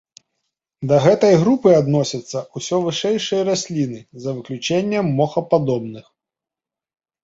Да гэтай групы адносяцца ўсё вышэйшыя расліны за выключэннем мохападобных.